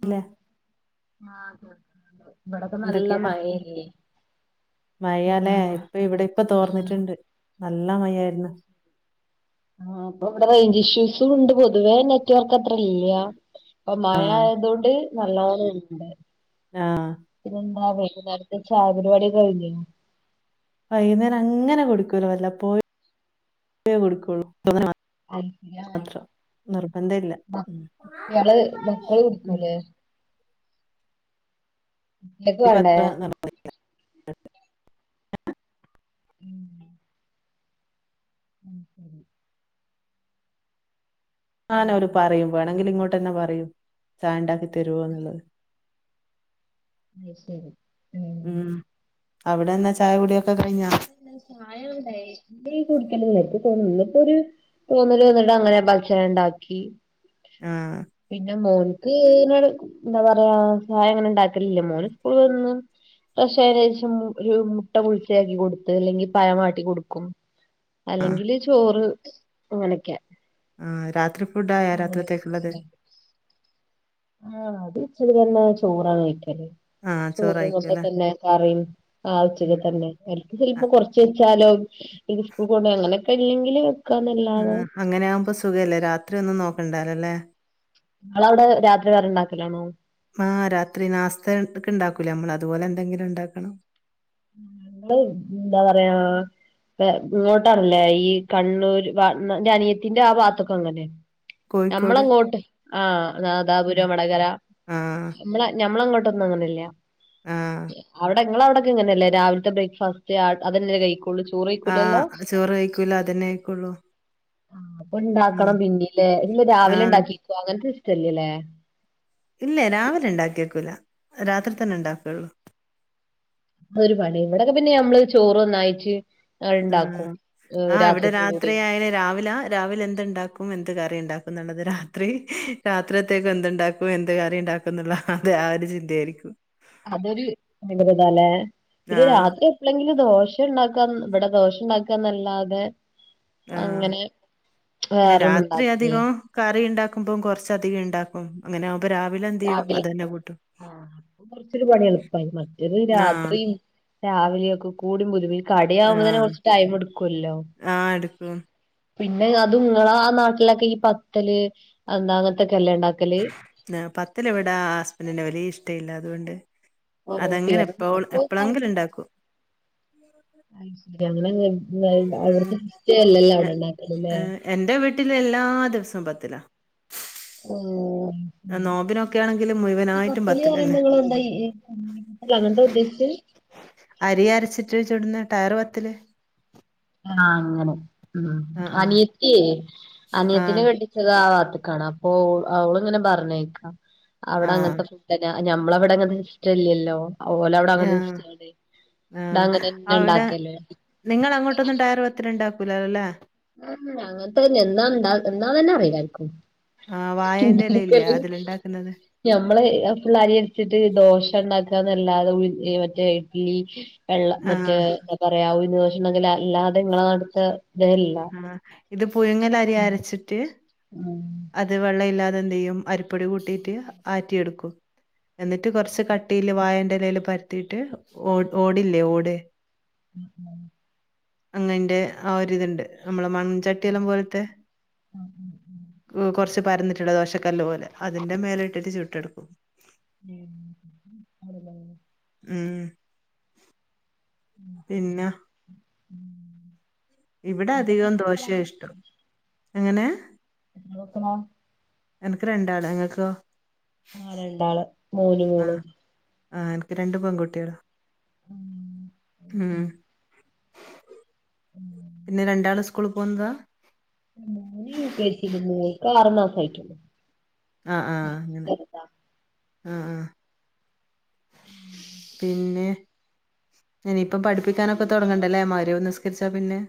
പില്ലെ ഇവിടക്കെ നല്ല മയേഞ് മഴലേ ഇപ്പ ഇവിടെപ്പ ആഹ് തോർന്നിട്ടുണ്ട് നല്ല മഴായിരുന്നു ആഹ് പ്പവിടെ റേഞ്ച് ഇഷ്യൂസും ഉണ്ട് പൊതുവേ ന റ്റ് വർക്ക് അത്ര ഇല്ല അപ്പൊ ആഹ്. മയായതൊണ്ട് നല്ലോണംണ്ട് നാ പിനെ ന്താ വൈകുന്നേരത്തെ ചായ പരിപാടിയൊക്കെ കയ്ഞ്ഞോ വൈുന്നേരം അങ്ങനെ കൊടുക്കൂലോ വല്ല പോയി പോ കൊടുക്കൂ [unintelligible] നിർബന്ധം ഇല്ല. ഉം. [unintelligible] മക്കള് ഉം. കുടിക്കൂലേ ങ്ങക്ക് എനിക്കും വേണ്ടേ അത്ര നിർബന്ധമില്ല. ഉം [unintelligible] ആന അവര് ഉം പറയും വേണങ്കിൽ ഇങ്ങോട്ട്ന്നെ പറയും ചായണ്ടാക്കി തരോന്നുള്ളഹ് അഹ് ശരി ഉം അവിടെന്ന ചായ കുടിയെ ഇവടെ അങ്ങൻ തെന്നെ ഷായ [unintelligible] [unintelligible] കുടിക്കല് നിക്ക് തോന്നുന്നു ഇപ്പൊ ഒരു തോന്നല് തന്നിട്ട അങ്ങനെ ഭക്ഷണംണ്ടാക്കി ആഹ് പിന്നെ മോൻക്ക് ന്നോട് എന്താ പറയാ ഷായ ങ്ങനെ ണ്ടാക്കല് ല്ല മോന് സ്കൂള്ന്ന് എക്ഷേ ഏദേശം ഒരു മുട്ട ബുളിച്ചയാക്കി കൊടുത്ത് ല്ലെങ്കി പഴവാട്ടി കൊടുക്കും ആഹ്. അല്ലെങ്കില് ചോറ് അങ്ങനെയൊക്കെയാ ആ രാത്രി ഫുഡ ആയ രാത്രിത്തേക്കുള്ളത് ആഹ് അത്ച്ചരി തന്ന ചോറാണ് കഴിക്കല് ആഹ് ചോറും ചോറായിക്കും ഒക്കെ അല്ലേ? തന്നെ കറിയും ആച്ചിക ഉം. തന്നെ അവർക്ക് അ ചിലപ്പോ കൊറച്ച് വെച്ചാലോ ഇത് സ്കൂൾ കൊണ്ടോന്ടെ അങ്ങനെയൊക്കെ ഇല്ലെങ്കില് ആ വെക്കാന്നല്ലാതെ അങ്ങനെ ആകുമ്പോ സുഖല്ലേ രാത്രി ഒന്നും നോക്കണ്ടാലല്ലേ ങ്ങളവിടെ രാത്രി വേറെ ഉണ്ടാക്കലാണോ ആ രാത്രി നാസ്തക്ക ഉണ്ടാക്കൂല നമ്മൾ അതുപോലെ എന്തെങ്കിലും ഉണ്ടാക്കണം എന്താ പറയാ ഇങ്ങോട്ടാണല്ലേ ഈ കണ്ണൂർ അനിയത്തിന്റെ ആ ഭാഗത്തൊക്കെ അങ്ങനെ കോഴിക്കോട് ഞമ്മളങ്ങോട്ട് ആഹ ഉം. നാദാപുരം വടകര ആ. ഞമ്മളങ്ങോട്ടൊന്നും അങ്ങനല്ല ആ. നിങ്ങളവിടെ അങ്ങനെയല്ല രാവിലത്തെ ബ്രേക്ക്ഫാസ്റ്റ് അത് തന്നെ കഴിക്കും ള്ള ചോറ ആ ചോറ് കഴിക്കൂല അതന്നെ ആയിക്കുള്ളൂ ആ അപ്പൊ ഇണ്ടാക്കണം പിന്നീല്ലേ ഇ ആ. രാവിലെ ഉണ്ടാക്കിക്കോ അങ്ങനത്തെ ഇഷ്ടല്ലേല്ലേ ഇല്ലേ രാവിലെ ഉണ്ടാക്കിവെയക്കൂല്ല രാത്രി തന്നെ ഉണ്ടാക്കുള്ളൂ അ ഒരു പണി ഇവിടെയൊക്കെ പിന്നെ നമ്മള് ചോറ ഒന്നായിട്ട് ആ ഇണ്ടാക്കും ആഹ ഇവിടെ രാത്രിക്കും കൂടി രാത്രി ആയാലെ രാവിലെ രാവിലെ എന്തുണ്ടാക്കും എന്ത് കറം ഉണ്ടാക്കും എന്നുള്ളത് രാത്രി രാത്രിത്തേക്ക എന്തുണ്ടാക്കും എന്ത് കറിം ഉണ്ടാക്കും അതെ ആ ഒരു ചിന്തയായിരിക്കും അതൊരു നതല്ലേ ആ. ഇത് രാത്രി അല്ലെങ്കിൽ ദോശ ഉണ്ടാക്കാ ഇവിടെ ദോഷ ഉണ്ടാക്കാ എന്നല്ലാതെ ആ. അങ്ങനെ പിന്നെ വേറെന്നും രാത്രി ഇണ്ടാക്കില്ലേ അധികം കറി ഉണ്ടാക്കുമ്പോം കുറച്ചധികം ഉണ്ടാക്കും അങ്ങനെ ആകുമ്പോ രാവിലെ എന്ത് ചെയ്യും അതുതന്നെ കൂട്ടും ആഹ അപ്പൊ കൊറച്ചൊരു പണി എളുപ്പായി മറ്റൊരു ആഹ്. രാത്രി രാവിലെയ ഒക്കെ കൂടി [unintelligible] കട ആവുമ്പോ തന്നെ ആഹ്. കൊറച്ച് ടൈം എടുക്കൂല്ലോ ആഹ് എടുക്കും. പിന്നെ അത് ഇങ്ങളെ ആ നാട്ടിലൊക്കെ ഈ പത്തല് എന്താ അങ്ങനത്തൊക്കെ അല്ല ഉണ്ടാക്കല് പത്തില എവിടെ ഹസ്ബൻറിന്റെ വലിയ ഇഷ്ട ഇല്ല അതുകൊണ്ട് അതെങ്ങനെ പൊറോട്ടയോ എപ്പോ എപ്പോഴെങ്കിലും ഉണ്ടാക്കും അങ്ങനെ ഉം. അവിടുത്തെ സിസ്റ്റം അല്ലല്ലോ എ അവിടെണ്ടാക്കെ ഏഹ് എന്റെ വീട്ടില് എല്ലാ ദിവസവും പത്തില്ല ആ, നോമ്പിനൊക്കെ ആണെങ്കില് ഈ മുഴുവനായിട്ടും പത്തല് പത്തിലന്നെ. എന്ന് പറയുമ്പോ എന്താ ണന്ത ഉദ്ദേശിച്ചത് അരി അരച്ചിട്ട് ചുടുന്ന ടയർ വത്തിൽ ആഹ അങ്ങനെ ഉം ആഹ് ആഹ്. അനിയത്തിയേ അനിയത്തിന് ആഹ് കെട്ടി പുക ആവാത്തക്കാണ് അപ്പൊ അവള ഇങ്ങനെ പറഞ്ഞേക്കാം അവിടെ ആഹ്. അങ്ങനത്തെ ഞമ്മളവിടെ അങ്ങനെ ഇഷ്ടമല്ലല്ലോ അതുപോലെ അവിടെ അങ്ങ ആഹ് ഇവിടെങ്ങനെന്നെ ഉണ്ടാക്കല്ലേ നിങ്ങ അങ്ങോട്ടൊന്നും ടയർ പത്തല് ഉണ്ടാക്കൂല്ലല്ലേ ഉ അങ്ങനത്തെന്നെ എന്നാ എന്താ എന്നാ തന്നെ അറിയില്ലായിരിക്കും ആ് വായന്റെലയില്ലേ അതിലുണ്ടാക്കുന്നത് മ്മള് ഫുള്ളരി അടിച്ചിട്ട് ദോശ ഉണ്ടാക്കാന്നല്ലാതെ മറ്റേ ഇഡ്ലി വെള്ളം ആഹ് മറ്റേ എന്താ പറയാ ഉഴുന്ന് ദോശ ഉണ്ടെങ്കിൽ അല്ലാതെ നിങ്ങളെ അടുത്ത ഇതല്ല ആ ഇത് പുയുങ്ങല അരി അരച്ചിട്ട് ഉം അത് വെള്ളം ഇല്ലാതെ എന്ത് ചെയ്യും അരിപ്പൊടി കൂട്ടിട്ട് ആറ്റിയെടുക്കും എന്നിട്ട് കുറച്ച് കട്ടിയില് വായന്റെ ഇലയിൽ പരത്തിയിട്ട് ഓ ഓടില്ലേ ഓട് ഉ ഉം അങ്ങന്റെ ആ ഒരിതുണ്ട് നമ്മള മൺചട്ടിയല്ലം പോലത്തെ ഉം ഉം ഉം കുറച്ച് പരന്നി ട്ടുള്ള ദോശക്കല്ലു പോലെ അതി്ന്റെ മേല ഇട്ടിട്ട് ചുട്ടെടുക്കും [unintelligible] ഉം പിന്നെ ഉം ഇവിടെ നിനക്ക് എത്ര അധികം മക്കളാ ദോശയാ ഇഷ്ടം എങ്ങനെ [unintelligible] എനക്ക് രണ്ടാള ങ്ങൾക്കോ ആ രണ്ടാള് മോനും മോളും ആഹ എനിക്ക് രണ്ടു പെൺകുട്ടികൾ ഉം ഉം ഉം പിന്നെ രണ്ടാൾ സ്കൂൾ പോകുന്നതാ മോൻ യുകെജില മോൾക്ക് ആർമസായിട്ടുള്ളു ആഹ് ആഹ അങ്ങനെ ആഹ ആ പിന്നെ ഇനി ഇപ്പം പഠിപ്പിക്കാനൊക്കെ തുടങ്ങണ്ടല്ലേ മഗ്‌രിബ് നിസ്കരിച്ചാ പിന്നെ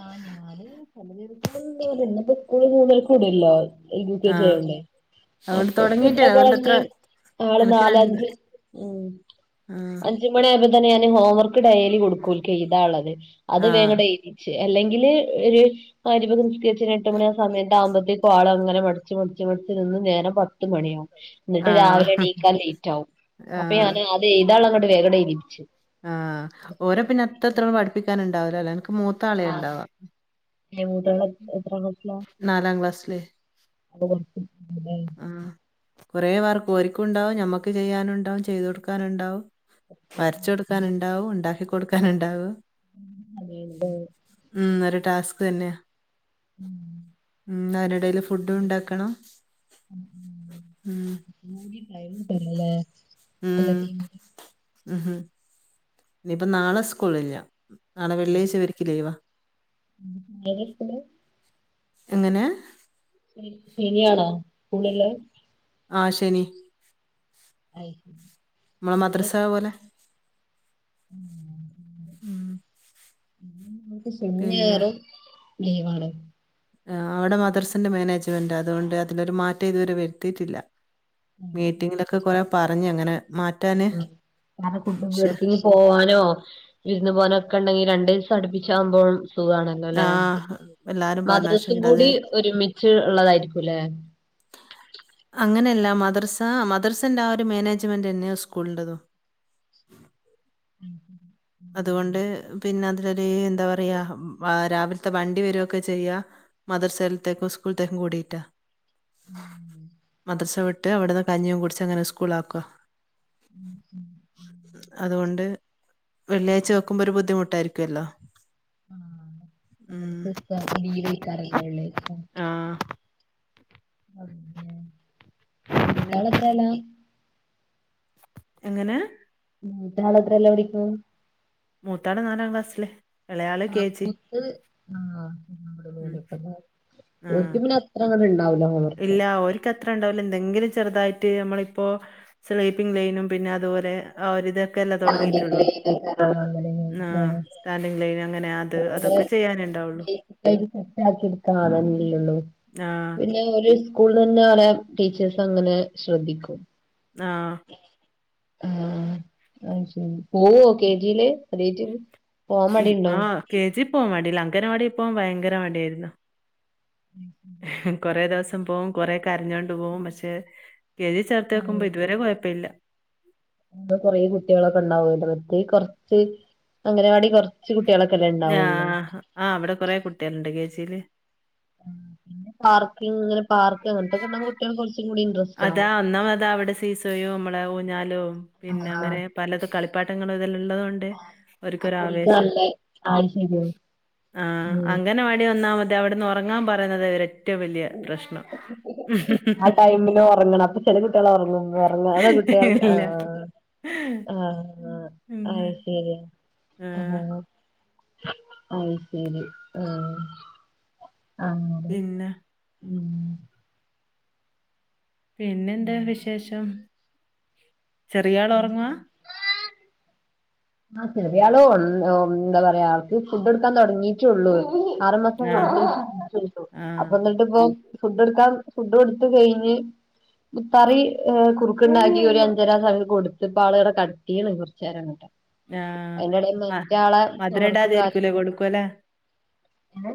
ആ ഞാൻ [unintelligible] ഇന്നപ്പം മുന്നരക്ക് വീടോല്ലോ [unintelligible] ആഹ് ചെയ്യണ്ടേ അതുകൊണ്ട് അപ്പൊ തൊടങ്ങിട്ട് എന്താ അതുകൊണ്ട് എത്ര പറഞ്ഞെ ആള് എനക്ക് രണ്ട് നാലഞ്ച് ഉ ആഹ് അഞ്ച മണി ആവുമ്പോൾ തന്നെ ഞാന് ഹോംവർക്ക് ഡെയിലി കൊടുക്കൂ ഓൽക്ക് എഴുതാൻ ഇല്ലത് അത് ആഹ് വേഗണ്ട് അല്ലെങ്കില് ഒരു മഗ്‌രിബ് ഒക്കെ നിസ്കരിച്ച് എട്ട് മണി ആ സമയത്ത ആകുമ്പോത്തേ ആൾ അങ്ങനെ മടിച്ച് മടിച്ച് നിന്ന് നേരം പത്ത് മണിയാവും എന്നിട്ട് രാവിലെ ആഹ് എണീക്കാ ലേറ്റ് ആകും അപ്പൊ ആഹ് ഞാൻ അത് എഴുതാൻ ഇല്ലത് വേഗം എഴുതിക്കും ആഹ് ഓരെ പിന്നെ അത്രോളം പഠിപ്പിക്കാനുണ്ടാവലോ അല്ലെ എനിക്ക് മൂത്ത ആളെ ഉണ്ടാവാ ഏ മൂത്ത ആൾ എത്ര ക്ലാസില നാലാം ക്ലാസ്സില് [unintelligible] ആ കുറേ വർക്ക് ഒർക്കും ഉണ്ടാവും ഞമ്മക്ക് ചെയ്യാനുണ്ടാവും ചെയ്തു കൊടുക്കാനുണ്ടാവും വരച്ച കൊടുക്കാന ഉണ്ടാവും ഉണ്ടാക്കി കൊടുക്കാനുണ്ടാവും ഉ ഒരു ടാസ്ക് തന്നെയ ഉ അനിടൽ ഫുഡും ഉണ്ടാക്കണം ഉം ഉം [unintelligible] ടൈംകിട്ടെല്ലില്ലലെ ഉം എല്ലാത്തിനും ഉം ഇനിയിപ്പ നാളെ സ്കൂളില്ല ആണ് വെള്ളിയാഴ്ച ഇവർക്ക് ലീവാ എങ്ങനെ ശനിയാണോ സ്കൂളിലെ ആ ശനി നമ്മളെ [unintelligible] മദ്രസ പോലെ ഉം ശനി പിന്നെ ഞായറും ലീവാണ് അവിടെ മദർസിന്റെ മാനേജ്മെന്റ് അതുകൊണ്ട് അതിനൊരു മാറ്റം ഇതുവരെ വരുത്തിയിട്ടില്ല മീറ്റിങ്ങിലൊക്കെ കൊറെ പറഞ്ഞ അങ്ങനെ മാറ്റാന് പക്ഷെ [unintelligible] പോവാനോ വിരുന്ന് പോനോ ഒക്കെ ഉണ്ടെങ്കിൽ രണ്ടു ദിവസം അടുപ്പിച്ചാകുമ്പോൾ സുഖമാണ് ആ അണ്ലെ എല്ലാരും പറഞ്ഞു മദ്രസും പക്ഷെങ്കിൽ അത് കൂടി ഒരുമിച്ച് ഉള്ളതായിരിക്കുംല്ലെ അങ്ങനെയല്ല മദർസ മദർസന്റെ ആ ഒരു മാനേജ്മെന്റ് തന്നെയോ സ്കൂളിന്റെറതും ഉ അതുകൊണ്ട് പിന്നെ അതിലൊരു എന്താ പറയാ ആ രാവിലത്തെ വണ്ടി വരകൊക്കെ ചെയ്യ മദർസലത്തേക്കും സ്കൂളത്തേക്കും കൂടിയിട്ടാ [inaudible] മദർസാ വിട്ട് അവിടുന്ന് കഞ്ഞിയും കുടിച്ച് അങ്ങനെ സ്കൂൾ ആക്കോ ഉം ഉം അതുകൊണ്ട് വെള്ളിയാഴ്ച വെക്കുമ്പോ ഒരു ബുദ്ധിമുട്ടായിരിക്കുമല്ലോ ആഹ് ഉം അവരക്ക് ഇപ്പ ലീവ് ആയിക്കാരം വെള്ളിയാഴ്ച ആ [unintelligible] പിന്നെ മൂത്താള് എത്രയിലാ എങ്ങനെ മൂത്താള് എത്രയിലാ പഠിക്കണേ മുത്താള് നാലാം ക്ലാസ്സില് ഇളയാള് കെ ആഹ് ജി മുത്ത് ഉം ആഹ് ആഹ് ഓൾക്ക് പിന്നെ അത്ര അങ്ങോട്ട് ഉണ്ടാവില്ല ഓളോട്ക്ക് ഇല്ല ഓര്ക്ക് അത്ര ഉണ്ടാവില്ലോ എന്തെങ്കിലും ചെറുതായിട്ട് നമ്മളിപ്പോ സ്ലീപ്പിംഗ ലൈനും പിന്നെ അതുപോലെ ആഹ് ഒരിതൊക്കെ അല്ല തുടങ്ങിയിട്ടുള്ളൂ കാര്യങ്ങള് ആ, അങ്ങനെ ആ. ആഹ് സ്റ്റാൻഡിങ് ലെയിൻ അങ്ങനെ അത് അതൊക്കെ ചെയ്യാന് ല്ലേ ഉണ്ടാവുള്ളൂ ഇപ്പൊ സെറ്റ് ആക്കി എടുക്കാണല്ലള്ളൂ ആഹ് ഒരു സ്കൂള തന്നെ ആണ് ടീച്ചേഴ്സ് അങ്ങനെ ശ്രദ്ധിക്കും ആഹ് ആഹ് അത്ശരി പോവോ കേ ജി ല് [unintelligible] ആഹ് കെ ജി പോവാൻ മടില്ല അംഗനവാടി പോവാൻ ഭയങ്കര മടിയായിരുന്നു കൊറേ ദിവസം പോവും കൊറക്കെ കരഞ്ഞോണ്ട് പോവും പക്ഷെ കേെ ജി ചേർത്ത് വെക്കുമ്പോ ഇതുവരെ കുഴപ്പമില്ല [unintelligible] കുറെ കുട്ടികളൊക്കെ ഉണ്ടാവുലോ മറ്റേത്കുറച്ച് അംഗനവാടി കൊറ ച്ചു കുട്ടികള്ഒക്കെ അല്ലേ ഉള്ളൂ ആഹ് ആഹ് അവിടെ കുറെ കുട്ടികള്ണ്ട് കെ ജി യിൽ പിന്നെ പാർക്കി ഇങ്ങനെ പാർക്ക് അങ്ങനത്തൊക്കെണ്ട കുറച്ചുകൂടി അതാ ഒന്നാ അതാ അവിടെ സീസോ യും നമ്മളെ ഊഞ്ഞാലും പിന്നെ ആഹ് അങ്ങനെ പലത് കളിപ്പാട്ടങ്ങളും ഇതല്ല ഉള്ളതുകണ്ട് ഓര്ക് അപ്പൊ ഓൽക്ക് ഒരാവേശ നല്ല അത് ശരിയാ ആഹ് ആഹ് ഉം അംഗനവാടി വന്ന അവിടുന്ന് ഉറങ്ങാൻ പറയുന്നത് അവരെ ആഹ് ടൈമില് ഉറങ്ങണം അപ്പ ചെല കുട്ടികള ഉറങ്ങും ഉറങ്ങാത്ത കുട്ടികൾ ഇല്ല ആഹ് ആഹ് പിന്നെ ആഹ് ശരി ആ, ആഹ് അത്ശരി ആഹ് അങ്ങനെ പിന്നെ ഉം പിന്നെന്താ വിശേഷം ചെറിയാൾ ഉറങ്ങുവ [unintelligible] ആഹ് ചെറിയാള് എന്താ പറയാ ആൾക്ക് ഫുഡ് കൊടുക്കാൻ തുടങ്ങിട്ടുള്ളൂ ആറു മാസം ആ കഴിഞ്ഞിട്ട് ആ അപ്പൊ പ്പോ ഫുഡ് എടുക്കാൻ ഫുഡ് കൊടുത്ത് ടുത്ത് കഴിഞ്ഞ് മുത്താറി കുറുക്കുണ്ടാക്കി ഒരു അഞ്ചരാ സമയാ കൊടുത്ത്പ്പ ആള് ഇവിടെ കിടത്തി കുറച്ച് നേരം കുറച്ചു നേരം അങ്ങോട്ടെ ആ അതിന്റെടൽ ആ, മറ്റയാളെ മധുര ഹോംവർക്കും ഇടാതെ ആയിരിക്കൂലേ കാര്യങ്ങള കൊടുക്കൂല എങ്ങനെ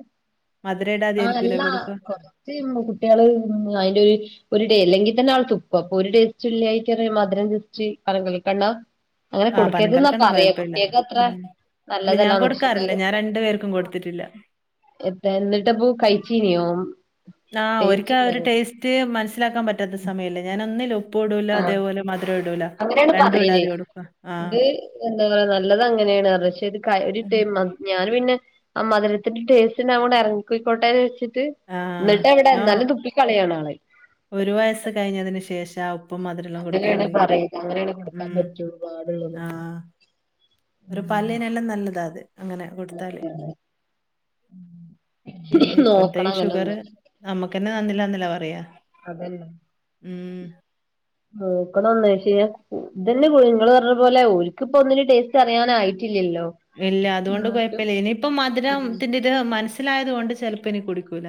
മധുര ഇടാതെ ആഹ് ആയിരിക്കൂലേ നല്ലതാ കൊടുക്കുക കുട്ടികള് അതില് ഒരു ഡേ അല്ലെങ്കിൽ തന്നെ ആൾ തുപ്പ അപ്പൊ ഒരു ടേസ്റ്റും ഇല്ലാഞ്ഞിട്ട് ഞാൻ മധുരം ജസ്റ്റ് മധുരം ജസ്റ്റ് പനം കൽക്കണ്ടം അങ്ങനെ ആ പനം കൊടുക്കരുത് ന്നാ കൽക്കണ്ടം പറയാ കുട്ടിയക്കെ അത്ര കുഴപ്പമില്ല ഇല്ല ഞാൻ നല്ലതല്ലാന്ന് പക്ഷെ കൊടുക്കാറില്ല എന്നാലും ഞാൻ രണ്ടു പേർക്കും കൊടുത്തിട്ടില്ല. എത്ത എന്നിട്ടപ്പൊ കഴിച്ചീനിയോ? ആഹ് ഓര്ക്ക ടേസ്റ്റ് ആ ഒരു ഉണ്ടാവോ ടേസ്റ്റ് മനസ്സിലാക്കാപറ്റാത്ത സമയല്ലേ? ഞാനൊന്നിലും ഉപ്പൂടൂല ആ അതേപോലെ മധുരൂടൂലാ അങ്ങനെയാണ് പറയല് അത് എന്താ പറയാ, നല്ലത് അങ്ങനേണ്റിയ പക്ഷെയിത് ക ഒരു ആഹ്. ടേം വന്ന് ഞാന് പിന്നെ ആ മധുരത്തിന്റെ ടേസ്റ്റണ്ടായിക്കോണ്ട് എറങ്ങിപ്പോയ്ക്കോട്ടേന്നെച്ച്ട്ട് ആ. ഇന്ന്ട്ടെവ്ടെ ഇന്നാലും തുപ്പിക്കളയാണാള് ഒരു വയസ്സ് കഴിഞ്ഞതിന് ശേഷാ ഉപ്പും മധുരൊല്ലാം അങ്ങനെയാണ് കൊടുക്കലൊട്ങ്ങിയത് പറയുന്നത് അങ്ങനെയാണ് കൊടുക്കാൻ ഉം പറ്റുള്ളൂ പാടുള്ളൂന്നൊക്കെ ആഹ് ഓരെ പല്ലിനെല്ലാം നല്ലതാ അത് അങ്ങനെ കൊടുത്താല് നോക്കണങ്ങനൊന്ന് അമ്മക്കെന്നെ നന്നില്ലാന്നല്ല പറയാ അതന്നെ ഉം നോക്ക്ണൊള്ളു പക്ഷേ ഇതന്നെ പോയി ഇങ്ങെളറ്ഞ്ഞപ്പോലെ ഓൽക്ക്പ്പൊന്നിലും ടേസ്റ്ററിയാനായിട്ടില്ലല്ലോ? ഇല്ല, അതുകൊണ്ട് കൊഴപ്പല്ല്യ ഇനിയിപ്പം മധുരം ഉം ത്തിന്റെത് മനസ്സിലായത് കൊണ്ട് ചെലപ്പോ ഇനി കുടിക്കൂല.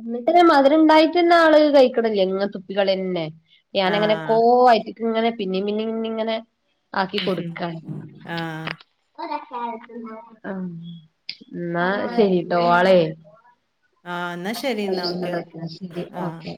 ഇന്ന്ട്ടെന്നെ മധ്രണ്ടായിട്ടെന്നെ ആള് കഴിക്ക്ണില്ല ഇങ്ങൻ തുപ്പികളയെന്നെ ആ. ഞാനങ്ങനെക്കോ വയറ്റ്ക്ക്ങ്ങനെ പിന്നിം പിന്നിം പിന്നീങ്ങനെ മ്ഹ് ആഹ് ആഹ് ഇന്നാ ശെരിട്ടോ ആളേ ആഹ് ഇന്നാശെരിയിന്നാ ഓക്കെ ഓക്കെ ശരി ആഹ് ആ ഓക്കെ